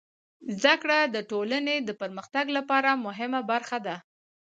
زدهکړه د ټولنې د پرمختګ لپاره مهمه برخه ده.